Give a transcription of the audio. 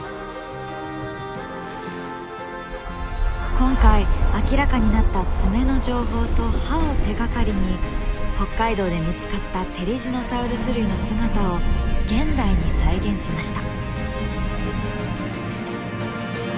今回明らかになった爪の情報と歯を手がかりに北海道で見つかったテリジノサウルス類の姿を現代に再現しました。